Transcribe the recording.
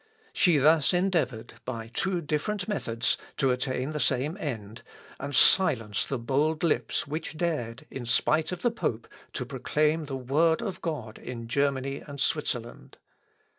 She thus endeavoured, by two different methods, to attain the same end, and silence the bold lips which dared, in spite of the pope, to proclaim the Word of God in Germany and Switzerland.